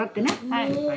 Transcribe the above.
はい。